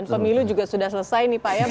dan pemilu juga sudah selesai nih pak ya